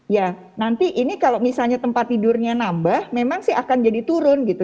ya nanti ini kalau misalnya tempat tidurnya nambah memang sih akan jadi turun gitu